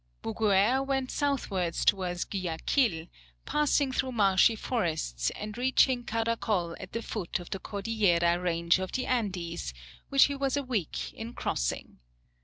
Bouguer went southwards towards Guayaquil, passing through marshy forests, and reaching Caracol at the foot of the Cordillera range of the Andes, which he was a week in crossing.